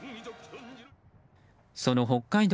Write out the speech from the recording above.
その北海道